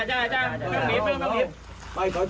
เธอย้ามหลีบ